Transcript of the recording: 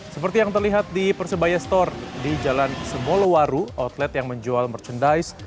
seperti yang terlihat di persebaya store di jalan semolowaru outlet yang menjual merchandise